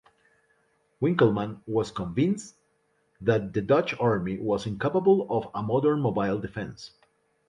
Winkelman was convinced that the Dutch army was incapable of a modern, 'mobile' defence.